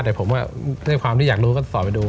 หนักผมว่าเนี่ยความที่อยากรู้ก็สอนไปดู